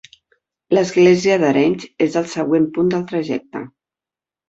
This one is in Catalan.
L'església d'Arenys és el següent punt del trajecte.